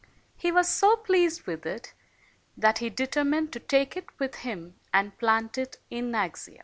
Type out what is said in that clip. He was so pleased with it, that he determined to take it with him and plant it in Naxia.